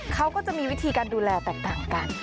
เขาก็จะมีวิธีการดูแลแตกต่างกัน